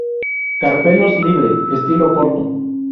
Carpelos libre, estilo corto.